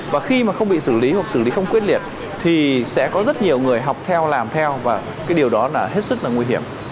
và khi mà không bị xử lý hoặc xử lý không quyết liệt thì sẽ có rất nhiều người học theo làm theo và cái điều đó là hết sức là nguy hiểm